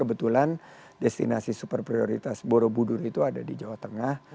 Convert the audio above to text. kebetulan destinasi super prioritas borobudur itu ada di jawa tengah